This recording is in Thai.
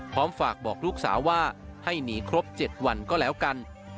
พร้อมฝากบอกลูกสาวว่าให้หนีครบ๗วันก็แล้วกัน